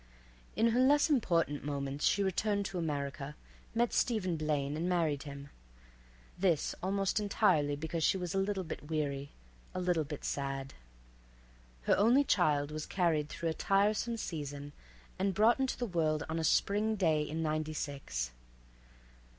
In her less important moments she returned to America, met Stephen Blaine and married him—this almost entirely because she was a little bit weary, a little bit sad. Her only child was carried through a tiresome season and brought into the world on a spring day in ninety six.